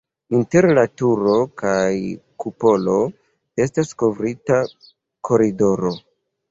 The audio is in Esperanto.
Inter la turo kaj kupolo estas kovrita koridoro.